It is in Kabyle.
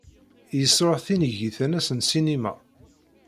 Yesṛuḥ tinigit-nnes n ssinima.